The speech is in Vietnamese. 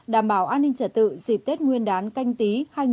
đảm bảo an ninh trả tự dịp tết nguyên đán canh tí hai nghìn hai mươi